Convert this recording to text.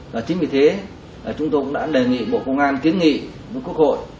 và chính vì thế chúng tôi cũng đã đề nghị bộ công an kiến nghị với quốc hội